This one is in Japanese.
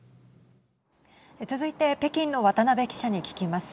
続いて北京の渡辺記者に聞きます。